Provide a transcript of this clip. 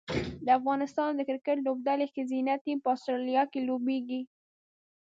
د افغانستان د کرکټ لوبډلې ښځینه ټیم په اسټرالیا کې لوبیږي